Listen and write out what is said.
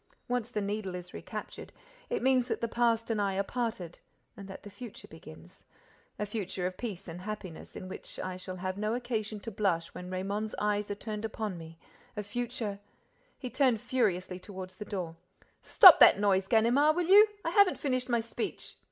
Once the Needle is recaptured, it means that the past and I are parted and that the future begins, a future of peace and happiness, in which I shall have no occasion to blush when Raymonde's eyes are turned upon me, a future—" He turned furiously toward the door: "Stop that noise, Ganimard, will you? I haven't finished my speech!"